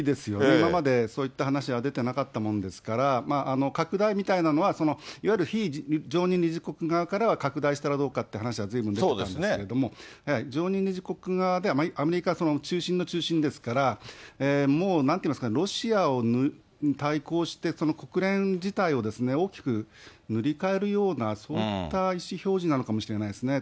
今まで、そういった話は出てなかったものですから、拡大みたいなのはいわゆる非常任理事国側からは、拡大したらどうかって話はずいぶん出てたんですけれども、常任理事国側では、アメリカは中心の中心ですから、なんと言いますか、ロシアを対抗して、国連自体を大きく塗り替えるような、そういった意思表示なのかもしれないですね。